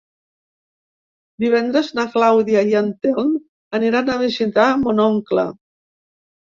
Divendres na Clàudia i en Telm aniran a visitar mon oncle.